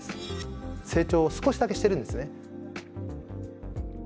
成長を少しだけしてるんですね。